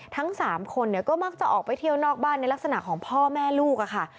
ทั้ง๓คนเนี่ยก็มักจะออกไปเที่ยวนอกบ้านในลักษณะของพ่อแม่ลูกค่ะ